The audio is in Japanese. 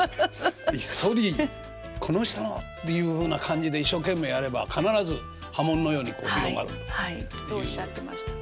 １人この人の！っていうふうな感じで一生懸命やれば必ず波紋のように広がる。っておっしゃってました。